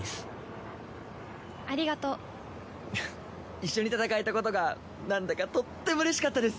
一緒に戦えたことがなんだかとってもうれしかったです。